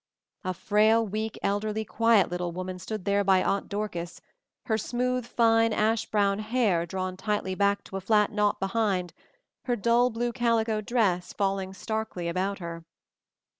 A frail, weak, elderly, quiet, little woman stood there by Aunt Dorcas, her smooth fine, ash brown hair drawn tightly back to a flat knot behind, her dull blue calico dress falling starkly about her.